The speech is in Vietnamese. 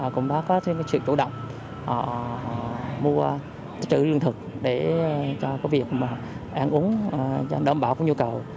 cũng đã phát hiện sự chủ động mua trị lương thực để có việc ăn uống đảm bảo nhu cầu